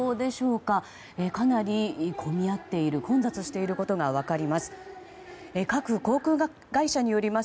かなり混み合っている混雑していることが分かります。